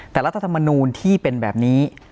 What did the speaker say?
แต่รัฐธรรมนูลที่เป็นแบบนี้